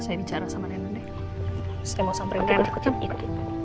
saya bicara sama dengan saya mau sampai ketemu